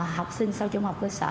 học sinh sau trung học cơ sở